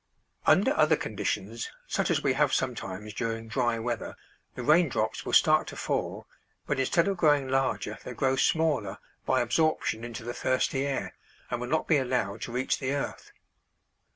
Under other conditions, such as we have sometimes during dry weather, the rain drops will start to fall, but instead of growing larger, they grow smaller by absorption into the thirsty air, and will not be allowed to reach the earth.